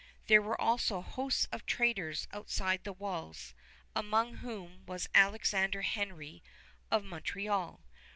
There were also hosts of traders outside the walls, among whom was Alexander Henry of Montreal.